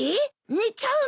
寝ちゃうの？